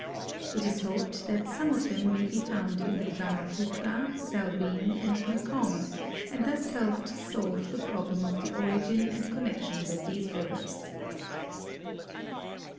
It is hoped that some of them may be found in tbe Mrahmaputra, Salween, and Mekong, and thus help to solve the problem of the origin and connections of these rivers.